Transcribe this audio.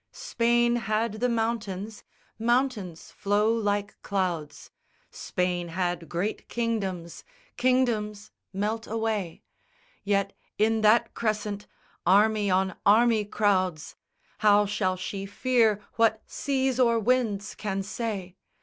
Spain had the mountains mountains flow like clouds. Spain had great kingdoms kingdoms melt away! Yet, in that crescent, army on army crowds, How shall she fear what seas or winds can say?